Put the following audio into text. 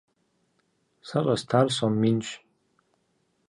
Сэ щӀэстар сом минщ.